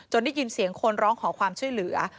ได้ยินเสียงคนร้องขอความช่วยเหลือ